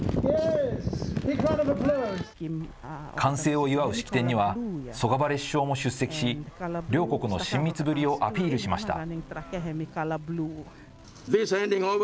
完成を祝う式典には、ソガバレ首相も出席し、両国の親密ぶりをアピールしました。